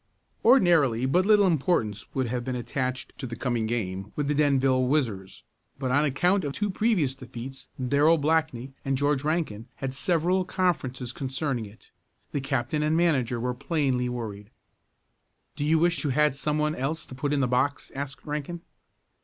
Ordinarily but little importance would have been attached to the coming game with the Denville Whizzers, but on account of two previous defeats, Darrell Blackney and George Rankin had several conferences concerning it. The captain and manager were plainly worried. "Do you wish you had some one else to put in the box?" asked Rankin.